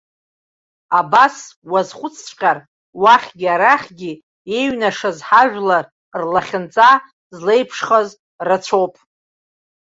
Абас, уазхәыцҵәҟьар, уахьгьы-арахьгьы еиҩнашаз ҳажәлар рлахьынҵа злеиԥшхаз рацәоуп.